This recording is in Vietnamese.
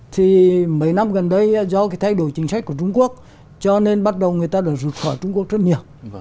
thì mấy năm gần đây do cái thay đổi chính sách của trung quốc cho nên bắt đầu người ta được rút khỏi trung quốc rất nhiều